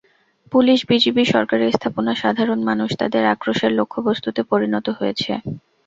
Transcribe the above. Police, BGB, সরকারি স্থাপনা, সাধারণ মানুষ তাদের আক্রোশের লক্ষ্যবস্তুতে পরিণত হয়েছে।